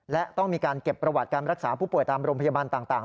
และต้องมีการเก็บประวัติการรักษาผู้ป่วยตามโรงพยาบาลต่าง